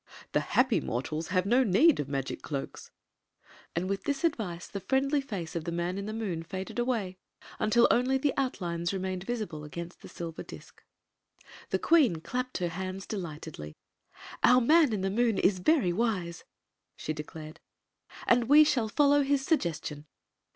"The happy mortals have no need of magic cloaks." And with this advice the friendly face of the Man in the Moon faded away until only the outlines re mained visible against the silver disk. The queen clapped her hands delightedly. "Our Man in the Moon is very wise," she declared ; "and we shall follow his suggestion.